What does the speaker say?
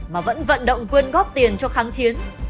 mà vẫn vận động quyên góp tiền cho kháng chiến